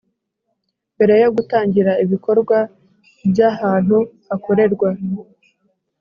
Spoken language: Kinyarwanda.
Mbere yo gutangira ibikorwa by ahantu hakorerwa